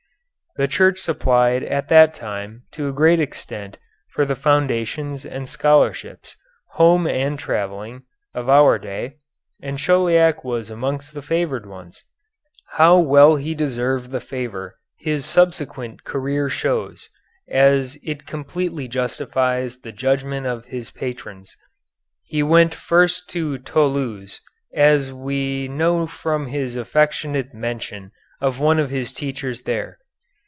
The Church supplied at that time to a great extent for the foundations and scholarships, home and travelling, of our day, and Chauliac was amongst the favored ones. How well he deserved the favor his subsequent career shows, as it completely justifies the judgment of his patrons. He went first to Toulouse, as we know from his affectionate mention of one of his teachers there.